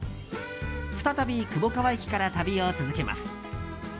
再び窪川駅から旅を続けます。